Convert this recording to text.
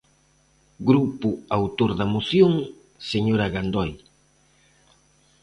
Grupo autor da moción, señora Gandoi.